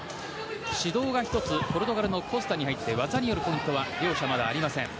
指導が１つポルトガルのコスタに入って技によるポイントは両者まだありません。